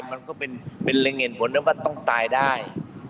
มันก็เป็นลิงเห็นผลว่าต้องตายได้